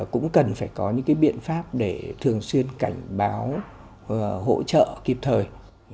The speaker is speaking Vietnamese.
cũng cần phải có những cái biện pháp để thường xuyên cảnh báo hỗ trợ kịp thời